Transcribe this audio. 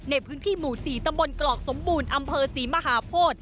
ในพื้นที่หมู่๔ตำบลกรอกสมบูรณ์อำเภอศรีมหาโพธิ